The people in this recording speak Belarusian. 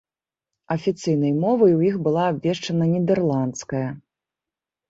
Афіцыйнай мовай у іх была абвешчана нідэрландская.